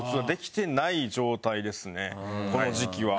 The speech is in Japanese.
この時期は。